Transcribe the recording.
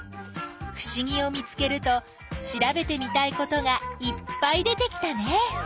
ふしぎを見つけると調べてみたいことがいっぱい出てきたね。